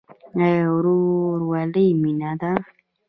آیا ورورولي مینه ده؟